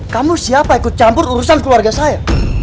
kamu siapa ikut campur urusan keluarga saya